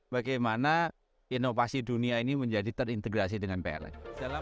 bagaimana inovasi dunia ini menjadi terintegrasi dengan pln